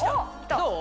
どう？